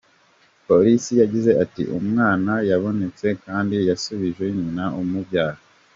Polisi yagize iti “Umwana yabonetse kandi yasubijwe nyina umubyara.